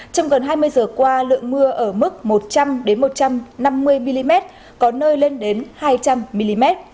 trong gần hai mươi giờ qua lượng mưa ở mức một trăm linh một trăm năm mươi mm có nơi lên đến hai trăm linh mm